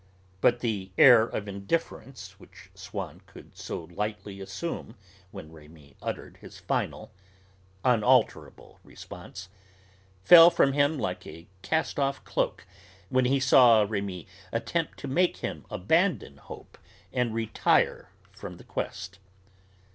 But the air of indifference which Swann could so lightly assume when Rémi uttered his final, unalterable response, fell from him like a cast off cloak when he saw Rémi attempt to make him abandon hope and retire from the quest.